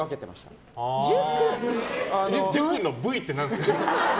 塾の部位って何ですか？